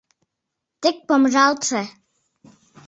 Тек помыжалтше.